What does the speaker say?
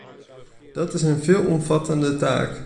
Dat is een veelomvattende taak.